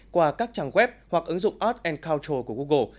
qua các trang web hoặc ứng dụng art culture của google